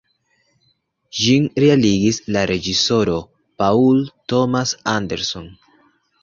Ĝin realigis la reĝisoro Paul Thomas Anderson.